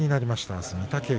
あすは御嶽海。